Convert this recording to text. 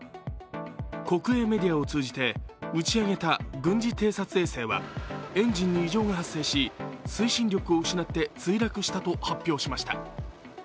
国営メディアを通じて打ち上げた軍事偵察衛星はエンジンに異常が発生し推進力を失って墜落したと発表しました。